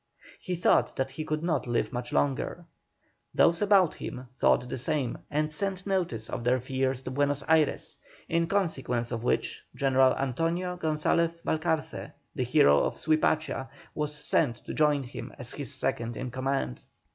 He thought that he could not live much longer; those about him thought the same and sent notice of their fears to Buenos Ayres, in consequence of which General Antonio Gonzalez Balcarce, the hero of Suipacha, was sent to join him as his second in command.